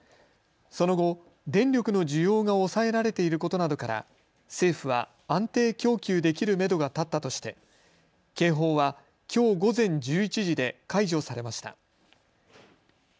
その後、電力の需要が抑えられていることなどから政府は安定供給できるめどが立ったとして警報はきょう午前１１時で解除されました。